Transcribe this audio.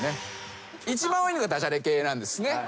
一番多いのがダジャレ系なんですね。